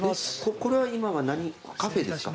これは今はカフェですか？